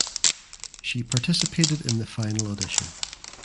She participated in the final audition.